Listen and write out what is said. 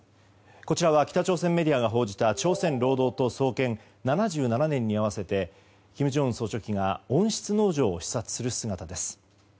こちらは北朝鮮メディアが報じた朝鮮労働党創建７７年に合わせて金正恩総書記が温室農場を視察する姿です。